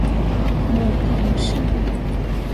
母彭氏。